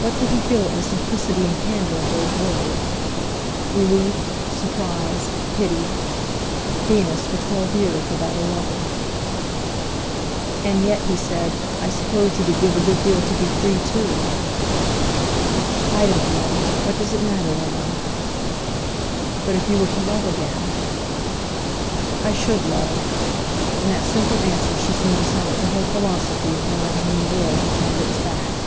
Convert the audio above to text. What did he feel at the simplicity and candour of those words? Relief, surprise, pity! Venus for twelve years without a lover! "And yet," he said, "I suppose you would give a good deal to be free, too?" "I don't know. What does it matter, now?" "But if you were to love again?" "I should love." In that simple answer she seemed to sum up the whole philosophy of one on whom the world had turned its back.